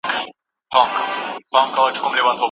ایمان موږ ته د رښتیني موندلو لاره وښودله.